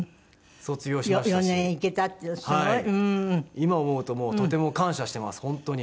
今思うともうとても感謝してます本当に。